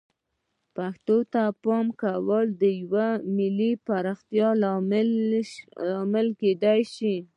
پښتو ته د پام ورکول د یوې ملي پراختیا لامل کیدای شي.